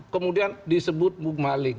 kemudian disebut bukmalik